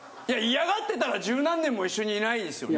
嫌がってたら十何年も一緒にいないですよね。